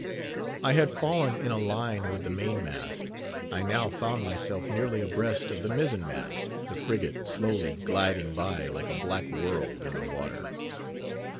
I had fallen in a line with the main mast; I now found myself nearly abreast of the mizzen mast, the frigate slowly gliding by like a black world in the water.